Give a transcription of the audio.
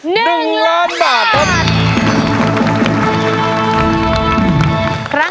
๑ล้านบาทประมาณ